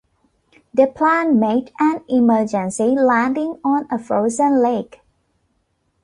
The plane made an emergency landing on a frozen lake.